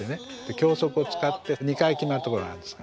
脇息を使って２回決まるところがあるんですが。